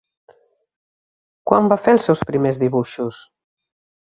Quan va fer els seus primers dibuixos?